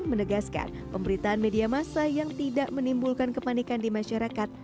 menegaskan pemberitaan media masa yang tidak menimbulkan kepanikan di masyarakat